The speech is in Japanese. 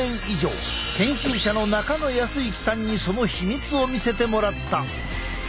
研究者の中野康行さんにその秘密を見せてもらった。